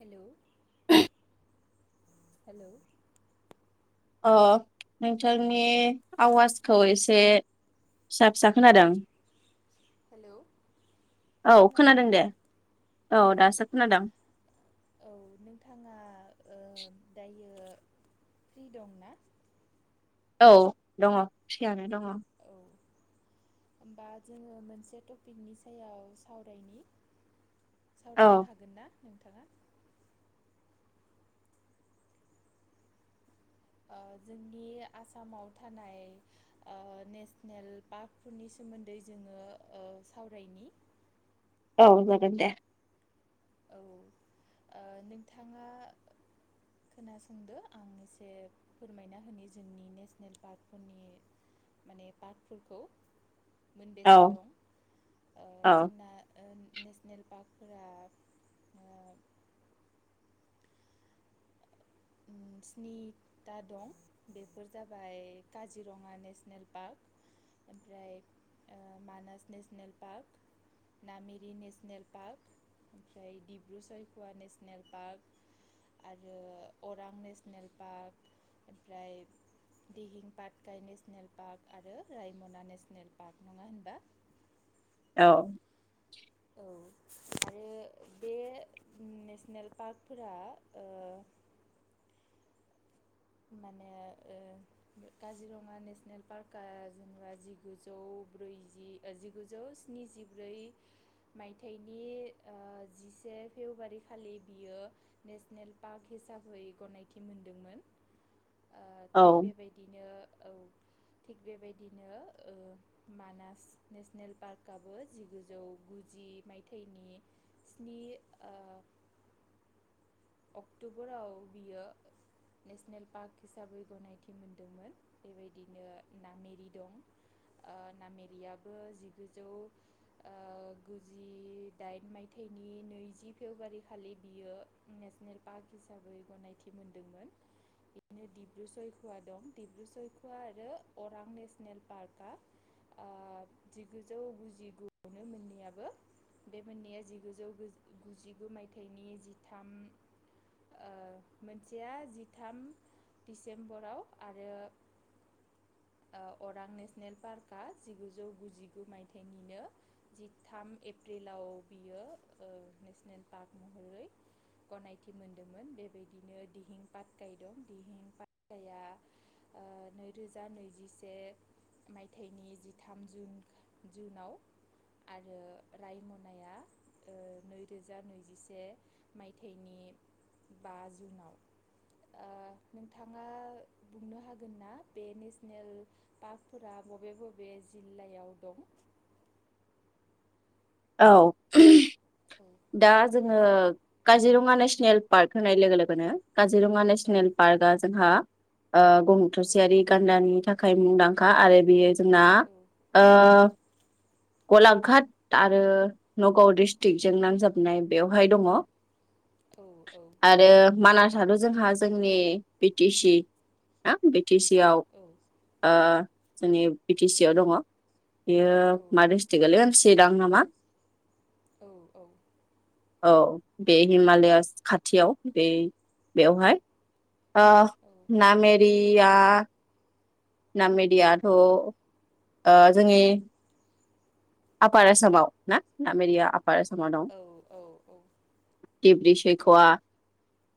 Hello [unintelligible] हेल' ओ नोंथांनि आवाजखौ एसे फिसा फिसा खोनादों हेलौ औ खोनादों ना? दे औ दासो खोनादों औ नोंथाङा ओ दायो फ्रि दंना? औ दङ फियानो दङ औ होमबा जोङो मोनसे टपिकनि सायाव सावरायनायनि औ सावरायनो हागोन ना नोंथाङा ओ जोंनि आसामाव थानाय ओ नेसनेल पार्कफोरनि सोमोन्दै जोङो सावरायनि औ जागोन दे औ नोंथाङा खोनासंदो आं एसे फोरमायना होनि जोंनि नेसनेल पार्कफोरनि माने पार्कफोरखौ औ मोनबेसे दं ओ औ जोंना ओ नेसनेल पार्कफोरा ओ स्निथा दं बेफोर जाबाय काजिरङा नेसनेल पार्क ओमफ्राय Manas national park Nameri national park ओमफ्राय डिब्रु चैक'वा नेसनेल पार्क आरो अरां नेसनेल पार्क ओमफ्राय दिहिं पाटकाय नेसनेल पार्क आरो रायमना नेसनेल पार्क नङा होनबा औ औ आरो बे नेसनेल पार्कफोरा ओ माने ओ काजिरङा नेसनेल पार्कआ जेनबा जिगुजौ ब्रैजि ओ जिगुजौ स्निजिब्रै मायथाइनि ओ जिसे फेब्रुवारि खालि बियो नेसनेल पार्क हिसाबै गनायथि मोनदोंमोन। ओ थिग औ बेबायदिनो औ थिग बेबायदिनो ओ मानास नेसनेल पार्कआबो जिगुजौ गुजि मायथाइनि स्नि अक्टबराव बियो नेसनेल पार्क हिसाबै गनायथि मोनदोंमोन बेबायदिनो नामेरि दं नामेरियाबो जिगुजौ गुजि दाइन मायथाइनि नैजि फेब्रुवारि खालि बियो। नेसनेल पार्क हिसाबै गनायथि मोनदोंमोन बेनो डिब्रु सयखवा दं डिब्रु सयखुवा आरो अरां नेसनेल पार्कआ ओ जिगुजौ गुजिगुआवनो मोननैयाबो बे मोननैया जिगुजौ गुजिगु मायथाइनि जि थाम मोनसेया जिथाम दिडिसेम्बराव आरो अरां नेसनेल पार्कआ जिगुजौ गुजिगु मायथाइनिनो जिथाम एप्रिलाव बियो नेसनेल पार्क महरै। गनायथि मोनदोंमोन बेबायदिनो दिहिं पाटकाय दं दिहिं पाटगाया नैरोजा नैजिसे मायथाइनि जिथाम जुन जुनाव आरो रायमनाया नैरोजा नैजिसे मायथाइनि बा जुनाव ओ नोंथाङा बुंनो हागोन ना बे नेसनेल पार्कफोरा बबे बबे जिल्लायाव दं। औ। औ दा जोङो काजिरङा नेसनेल पार्क होनाय लोगो लोगोनो। काजिरङा औ नेसनेल पार्कआ जोंहा ओ। गं थसेयारि गान्दानि था आख मुंदांखा आरो बेयो ना। औ ओ गलाघाट आरो नगाव डिस्ट्रिग। जों नांजाबनाय बेवहाय दङ। औ औ आरो नंगौ मानासाथ जोंहा ज नि बिटिसि आं बि टि सि आव। औ जोंनि बि टि सि आव दङ। बेयो औ मा दिट्रिक गोलैयो सिरां नामा? औ औ बे हिमालया खाथियाव बे बेवहाय। ओ नामेरि एया नामेरियाथ जोंनि। आपार आसामाव ना ना मेरया बारस म दं औ औ औ ओ दिब्रि [unintelligible]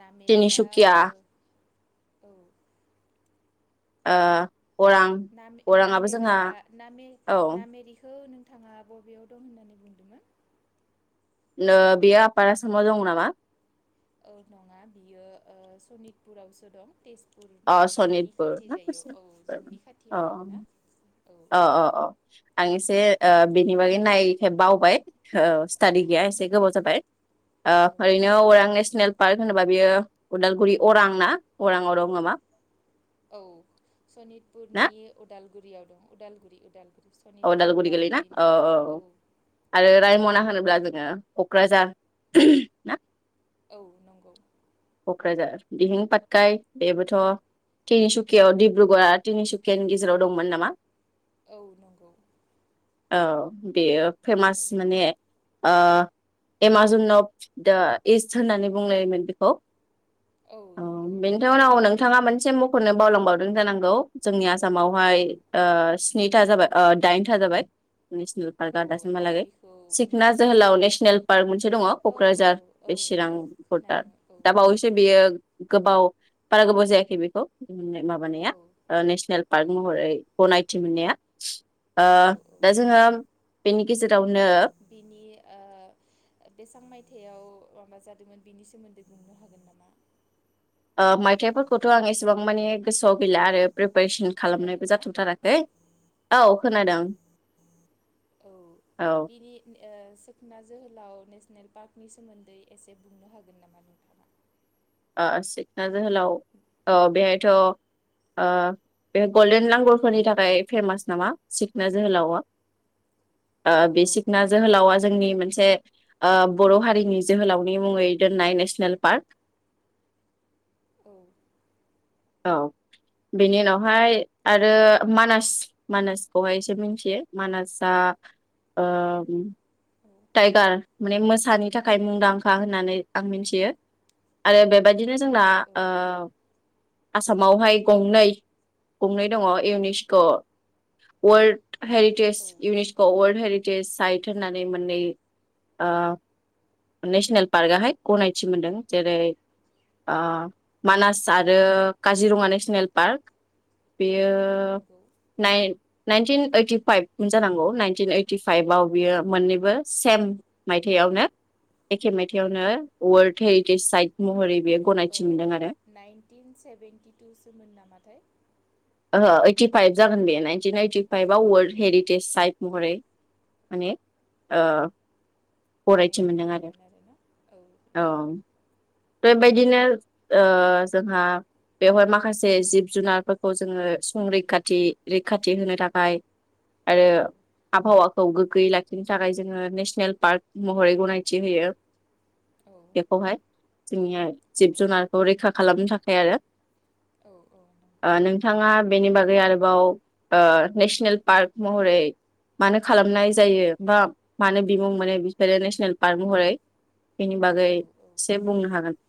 नामेरिया औ। ओ। अरां अराङाबो जोंहा नामेरिया नामेरि। औ नामेरिखौ। औ नोंथाङा बबेयाव दं होननानै बुंदोंमोन। बेयो आफार आसामाव दं नामा। औ नङा बियो सनितपुरावसो दं तेजपुर। अ सनितपुर ना जोंनि अ खाथियाव आरोना औ अ अ अ आं औ एसे बिनि बागै नाय। हो बावबाय। औ स्टाडि गैया एसे गोबाव जाबाय। ओ औ फ्रायनो अरां नेसनेल पार्क होनोबा बियो उदालगुरि अरां ना अरांआव दङ नामा। औ ना सनितपुरनि अदालगुरियाव दं अदालगुरि [inaudible] अदालगुरि गोलै ना औ औ आरो रायमना होनोब्ला। जोङो क'क्राझार ना? औ नंगौ। कक्राझार दिहिं पाटकाय बेबोथ तिनिसुकियाव डिब्रुगड़ा तिनिसुकियानि गेजेराव दंमोन नामा। औ नंगौ। औ बेयो फेमास औ माने ओ एमाजनाव अफ दा इस्ट होननानै बुंलायोमोन बेखौ। औ बेनिथ उनाव नोंथाङा मोन मोनसे मखनो बावलांबावदों जानांगौ जोंनिया औ आसामावहाय। स्निथा जाबाय दाइनथा जाबाय। नेसनेल औ पार्कआ आं दासिमहालागै बेखौ सिखना मिथिया जोहोलाव नेसनेल पार्क मोनसे दङ औ औ कक्राझार औ बे चिरां औ बरडार खोनादों औ दा बावैसो बेयो गोबाव बारा गोबाव जायाखै बेखौ। मोन्नाय माबानाया औ ओ नेसनेल पार्क औ महरै गनाय मिथि मोननाया। औ औ दा जोंङो। बेनि गेजेर बिनि बेसेबां मायथायाव। माबा जादोंमोन बेनि सोमोन्दै बुंनो हागोन नामा। मायथाइफोरखौथ आं एसेबां माने गोसोआव गैला आरो। बायसन खोनादों खालामनायबो ना जाथथाराखै औ खोनादों। औ औ बिनि सिखोना जोहोलाव। नेसनेल पार्कनि सोमोन्दै एसे बुंनो हागोन नामा नोंथाङा। ओ सिखना जोहोलाव ओ बेहायथ ओ बे गल्डेन लांगुरफोरनि थाखाय फेमास नामा सिखना जोहोलाव औ बि औ सिखना औ जोहोलावा जोंनि मोनसे बर हारिनि जोहोलावनि मुङै दोननाय नेसनेल पार्क। औ। औ बेनि उनावहाय आरो मानास मानासखौहायसो मिथियो मानासआ ओ टाइगार माने मोसानि थाखाय मुंदांखा होननानै आं मिथियो आरो बे। बेबायदिनो जोंना। औ आसामावहाय गंनै गंनै दङ इउनिस्क वर्ड। हेरिटेज औ इउनिसखौ वरड हेरिटेज साइट होननानै नै ओ नेसनेल पार्कआहाय गनायथि मोनदों जेरै ओ उम मानास आरो काजिरङा नेसनेल पार्क बेयो औ नंगौ नाइन नाइनटिन ओइटिफाइभ जानांगौ ननटिन ओइटिफाइभव बियो मोननै सेम मायथयावनो एखे मायथाइयावनो वर्ल्ड हेरिटेज साइट महरै- बेयो ओ गनायथि मोनदों आरो नाइनटिन सेभेेनटिथु‌ सोमोन नामाथाय? ओ ओइटिफाइभ जागोन बे नाइनटिन ओइटिफाइभआव औ वर्ल्डनि औ हेरिटेज साइट महरै माने ओ- गनायथि मोनदोंमोन आरो ना औ बेबायदिनो ओ जोंहा बेवहाय माखासे जिब जुनारफोरखौ जोङो संरैखाथि रैखाथि होनो थाखाय- आरो औ आबहावाखौ गोगो- गैयै लाखिनो थाखाय जोङो नेसनेल पार्क महरै गनायथि होयो औ [unintelligible] औ जिब जुनारखौ रैखा खालामनो थाखाय आरो औ नंगौ ओ नोंथाङा बेनि बागै आरो- आव ओ नेसनेल पार्क महरै मानो खालामनाय जायो बा मानो बिमुं मोनो बिफोरो नेसनेल पार्क महरै बेनि बागै औ औ से बे [inaudible]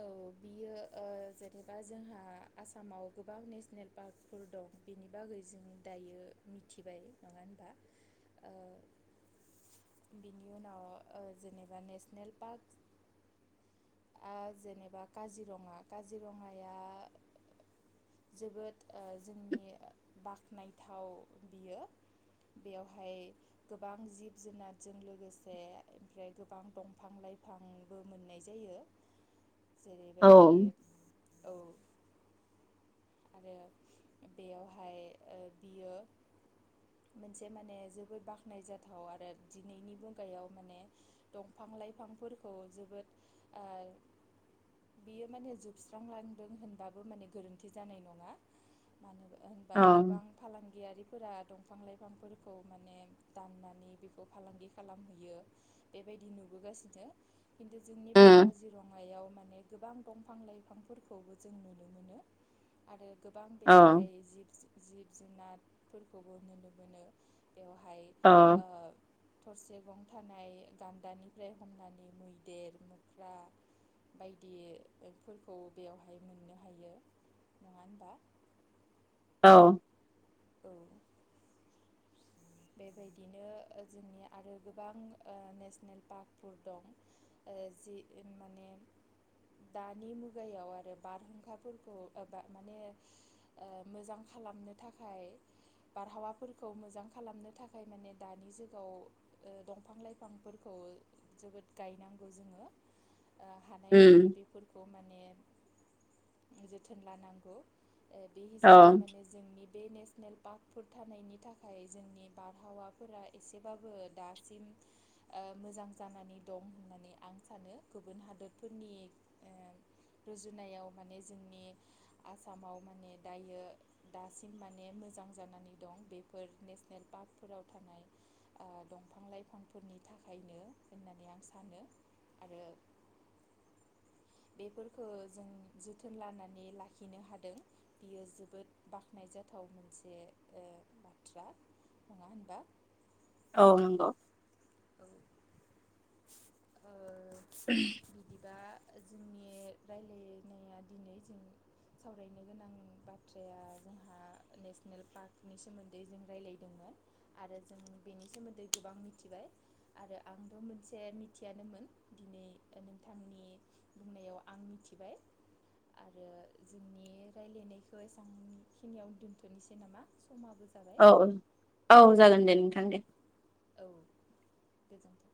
औ बियो ओ जेनेबा जोंहा आसामाव गोबां नेसनेल पार्कफोर दं बिनि बागै जों दायो मिथिबाय नङा होनबा ओ बिनि उनाव ओ जेनेबा नेसनेल पार्क- आ जेनेबा काजिरङा काजिरङाया जोबोद ओ जोंनि बाख्नायथाव बियो बेवहाय गोबां जिब जुनारजों लोगोसे ओमफ्राय गोबां दंफां लाइफांबो मोननाय जायो। औ जेरैबायदि- औ आरो बेयावहाय ओ‌ बियो मोनसे माने जोबोद बाख्नाय जाथाव आरो दिनैनि मुगायाव माने दंफां लाइफांफोरखौ ओ जोबोद ओ बियो माने जोबस्रांलांदों होनबाबो माने गोरोन्थि। थि जानाय नङा मानोबा- होनबा औ गोबां फालांगियारिफोरा दं। बिफां लाइफांफोरखौ माने दाननानै बेखौ फालांगि खालामहैयो बेबायदि नुबोगासिनो खिन्थु जोंनि बे उम काजिरङायाव माने गोबां दंफां लाइफांफोरखौबो जों नुनो मोनो आरो- गोबां औ बेवहाय जिब- जिब जुनारफोरखौबो नुनो मोनो बेवहाय औ ओ- थरसे गं थानाय गान्दानिफ्राय हमनानै मैदेर मोख्रा बायदिफोरखौ बेवहाय मोननो हायो। नङा होनबा औ औ बेबायदिनो जोंनि आरो गोबां नेसनेल पार्कफोर दं जि माने दानि मुगायाव आरो बारहुंखाफोरखौ माने मोजां खालामनो थाखाय थाखाय बारहावाफोरखौ मोजां खालामनो थाखाय माने दानि जुगाव ओ दंफां लाइफांफोरखौ जोबोद गायनांगौ जोङो ओ हानायमानि उम बेफोरखौ माने- जोथोन लानांगौ ओ बे औ हिसाबै माने जोंनि- बे नेसनेल पार्कफोर थानायनि थाखाय जोंनि बारहावाफोरा एसेबाबो दासिम ओ मोजां जानानै दं होननानै आं सानो गुबुन हादरफोरनि ओ रुजुनायाव माने जोंनि आसामाव माने दायो दा- बांसिन माने मोजां जानानै दं बेफोर नेसनेल पार्कफोराव थानाय आ दंफां लाइफांफोरनि थाखायनो होननानै आं सानो आरो- बेफोरखौ जों जोथोन लानानै लाखिनो हादों बियो जोबोद बाख्नायजाथाव मोनसे ओ बाथ्रा नङा होनबा औ नंगौ औ ओ [inaudible] बिदिबा जोंनि रायलायनाया दिनै जों सावरायनो गोनां बाथ्राया जोंहा नेसनेल पार्कनि सोमोन्दै जों रायलायदोंमोन आरो जों बेनि सोमोन्दै गोबां एसे मिथियानोमोन दिनै नोंथांनि बुंनायाव आं मिथिबाय आरो जोंनि राय्लायनायखौ एसेबांखिनियाव दोन्थ'नोसै नामा समाबो जाबाय औ ओ औ जागोन दे औ नोंथां दे औ गोजोनथों।